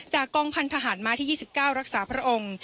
กองพันธหารมาที่๒๙รักษาพระองค์